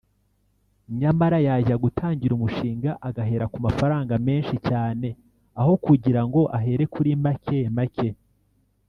nyamara yajya gutangira umushinga agahera ku mafaranga menshi cyane aho kugira ngo ahere kuri make make